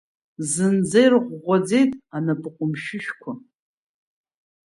Зынӡа ирӷәӷәаӡеит анапы ҟәымшәышәқәа.